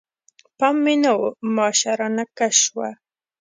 پام مې نه و، ماشه رانه کش شوه.